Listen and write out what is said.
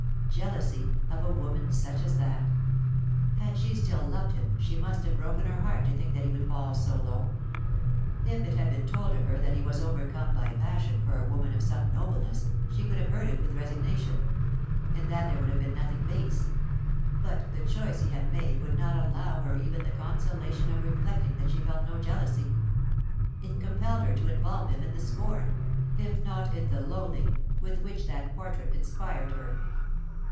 Jealousy, of a woman such as that? Had she still loved him, she must have broken her heart to think that he could fall so low. If it had been told her that he was overcome by passion for a woman of some nobleness, she could have heard it with resignation; in that there would have been nothing base. But the choice he had made would not allow her even the consolation of reflecting that she felt no jealousy; it compelled her to involve him in the scorn, if not in the loathing, with which that portrait inspired her.